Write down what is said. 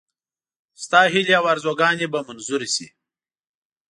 ستا هیلې او آرزوګانې به منظوري شي.